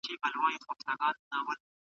انګریزان په هندوستان کي لوی قدرت و.